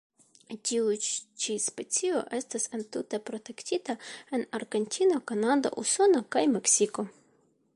Tiu ĉi specio estas entute protektita en Argentino, Kanado, Usono kaj Meksiko.